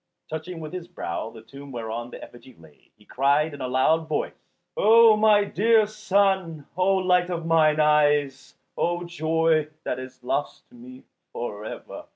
Touching with his brow the tomb whereon the effigy lay, he cried in a loud voice, "O my dear son, O light of mine eyes, O joy that is lost to me for ever."